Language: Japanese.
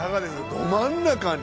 ど真ん中に。